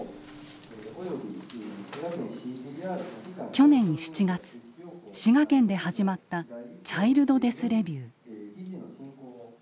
去年７月滋賀県で始まったチャイルド・デス・レビュー。